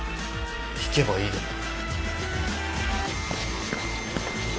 聞けばいいだろ。